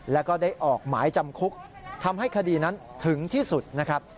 แล้วก็ได้ออกหมายจำคุกทำให้คดีนั้นถึงที่สุดนะครับ